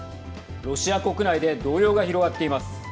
ロシア国内で動揺が広がっています。